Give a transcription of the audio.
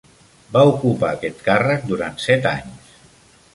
Va ocupar aquest càrrec durant set anys.